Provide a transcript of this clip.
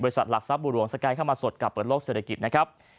หลักทรัพย์บุหลวงสกายเข้ามาสดกับเปิดโลกเศรษฐกิจนะครับ